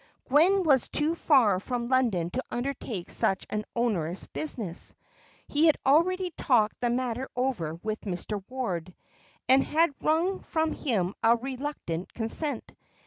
Gwen was too far from London to undertake such an onerous business; he had already talked the matter over with Mr. Ward, and had wrung from him a reluctant consent.